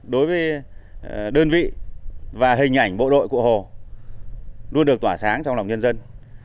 đơn vị và hình ảnh bộ đội cụ hồ luôn được tỏa sáng trong lòng nhân dân